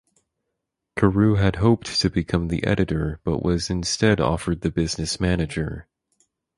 Carew had hoped to become the editor but was instead offered the business manager.